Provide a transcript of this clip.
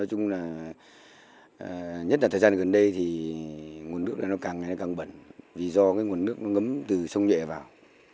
nói chung là nhất là thời gian gần đây thì nguồn nước là nó càng ngày càng bẩn vì do cái nguồn nước nó ngấm từ sông nhẹ vào